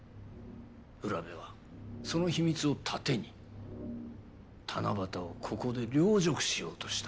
占部はその秘密を盾に七夕をここで陵辱しようとした。